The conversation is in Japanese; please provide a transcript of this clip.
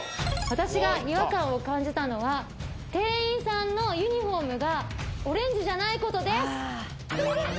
私が違和感を感じたのは店員のユニフォームがオレンジじゃないことです